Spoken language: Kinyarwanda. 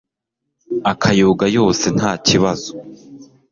akayoga yose nta kibazo